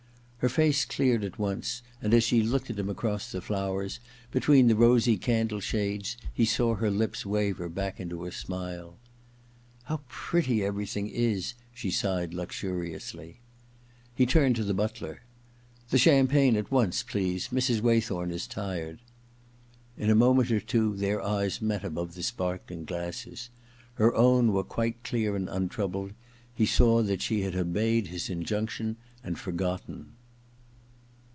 Her face cleared at once, and as she looked '■i THE OTHER TWO 47 at him across the flowers, between the rosy candle shades, he saw her lips waver back into a smile. * How pretty everything is I * she sighed luxuriously. He turned to the butler. * The champagne at once, please. Mrs. Waythorn is tired.* In a moment or two their eyes met above the sparkling glasses. Her own were quite clear and imtroubled : he saw that she had obeyed his injunction and forgotten.